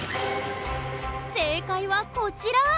正解はこちら！